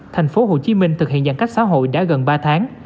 thành phố hồ chí minh thực hiện giãn cách xã hội đã gần ba tháng